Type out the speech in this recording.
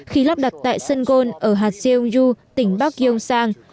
khi lắp đặt tại sơn gôn ở hà siêu du tỉnh bắc yêu sang